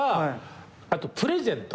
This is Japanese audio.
あとプレゼント。